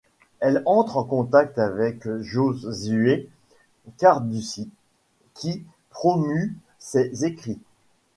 Il entre en contact avec Giosuè Carducci qui promeut ses écrits.